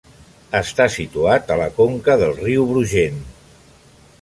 Està situat la conca del riu Brugent.